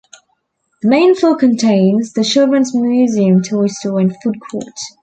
The main floor contains The Children's Museum toy store and food court.